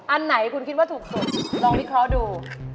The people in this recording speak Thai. อันไหนคุณคิดว่าถูกสุดลองวิเคราะห์ดู